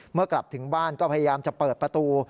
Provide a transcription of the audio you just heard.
กลับถึงบ้านก็พยายามจะเปิดประตู